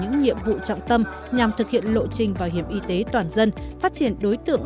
những nhiệm vụ trọng tâm nhằm thực hiện lộ trình bảo hiểm y tế toàn dân phát triển đối tượng